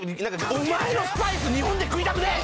お前のスパイス日本で食いたくねえ！